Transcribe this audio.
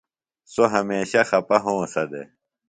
سوۡ ہمیشہ خپہ ہونسہ دےۡ۔